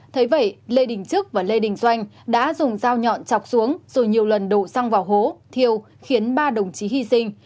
thấy vậy lê đình trức và lê đình doanh đã dùng dao nhọn chọc xuống rồi nhiều lần đổ xăng vào hố thiêu khiến ba đồng chí hy sinh